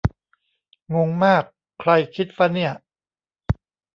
งงมาก ใครคิดฟะเนี่ย